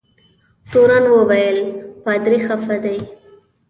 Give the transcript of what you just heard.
تورن وویل پادري خفه دی.